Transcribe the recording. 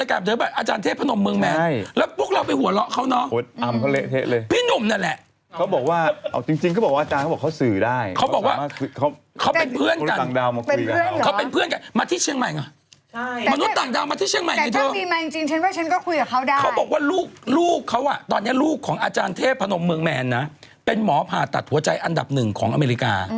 แน่บชิดค่ะมัวแต่ฟังคุณหนุ่มเล่าไง